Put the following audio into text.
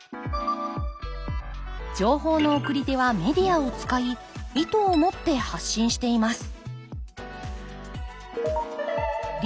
情報の送り手はメディアを使い意図を持って発信しています